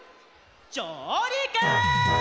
じょうりく！